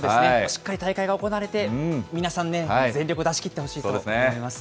しっかり大会が行われて、皆さんね、全力を出し切ってほしいと思います。